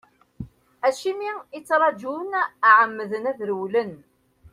Acimi ttarǧun, ɛemmden ad rewlen.